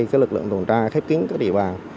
khi lực lượng tồn tra khép kiến địa bàn